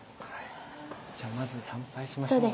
じゃあまず参拝しましょう。